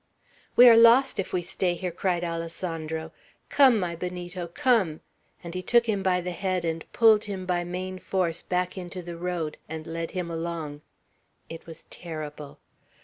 "We are lost, if we stay here!" cried Alessandro. "Come, my Benito, come!" and he took him by the head, and pulled him by main force back into the road, and led him along. It was terrible.